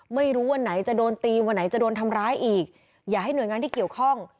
ไม่รู้วันไหนจะโดนตีวันไหนจะโดนทำร้ายอีกอยากให้หน่วยงานที่เกี่ยวข้อง